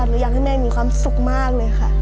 หนูอยากให้แม่มีความสุขมากเลยค่ะ